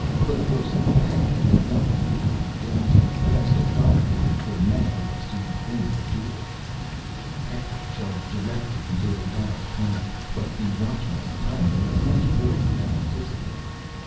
But, of course, Hector would not really be dead; the best Odal could hope for now was to win the duel. Hector charged directly into Odal's plan, but the Watchman's timing was much poorer than anticipated.